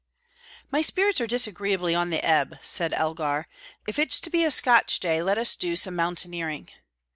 "My spirits are disagreeably on the ebb," said Elgar. "If it's to be a Scotch day, let us do some mountaineering."